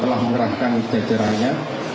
telah mengerahkan sejahteranya